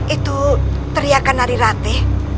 itu teriakan dari rate